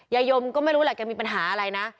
ยายยมก็ไม่รู้ว่ามีปัญหาอะไรนะ